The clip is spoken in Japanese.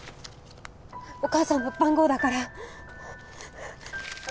お母さんの番号だから